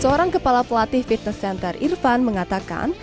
seorang kepala pelatih fitness center irfan mengatakan